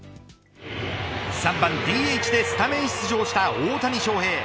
３番ＤＨでスタメン出場した大谷翔平。